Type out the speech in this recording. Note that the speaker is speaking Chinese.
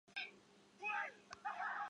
参见右侧站牌路线图。